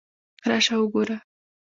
راشه وګوره!